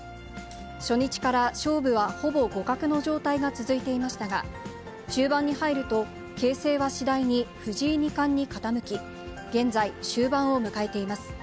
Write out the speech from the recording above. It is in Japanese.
初日から勝負はほぼ互角の状態が続いていましたが、中盤に入ると形勢は次第に藤井二冠に傾き、現在、終盤を迎えています。